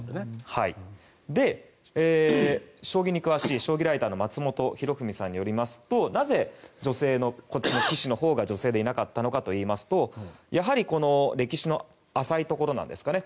将棋に詳しい将棋ライターの松本博文さんによりますとなぜ棋士に女性がいなかったのかといいますとやはり、歴史の浅いところなんですかね。